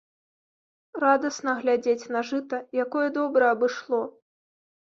Радасна глядзець на жыта, якое добра абышло.